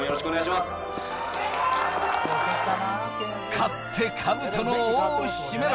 勝って兜の緒を締めろ。